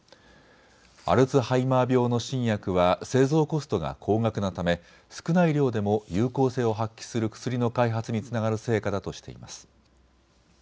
アルツハイマー病の新薬は製造コストが高額なため少ない量でも有効性を発揮する薬の開発につながる成果だとしています。